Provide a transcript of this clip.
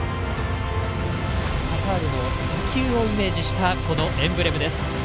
カタールの砂丘をイメージしたこのエンブレムです。